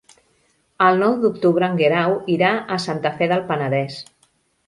El nou d'octubre en Guerau irà a Santa Fe del Penedès.